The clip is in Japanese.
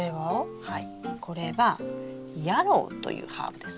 これはヤロウというハーブです。